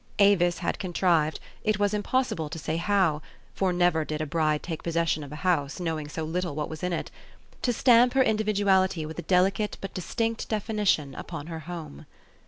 Avis had contrived, it was impossible to say how, for never did a bride take possession of a house, knowing so little what was in it, to stamp her individuality with a delicate but distinct definition upon her home.